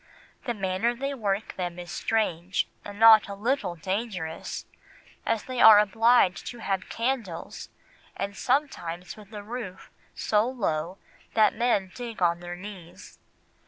The manner they work them is strange and not a little dangerous, as they are obliged to have candles, and sometimes with a roof so low that men dig on their knees....